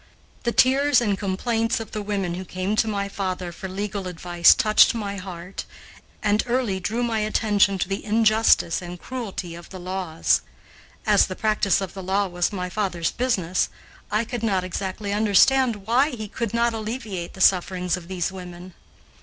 The tears and complaints of the women who came to my father for legal advice touched my heart and early drew my attention to the injustice and cruelty of the laws. As the practice of the law was my father's business, I could not exactly understand why he could not alleviate the sufferings of these women.